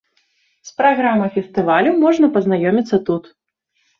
З праграмай фестывалю можна пазнаёміцца тут.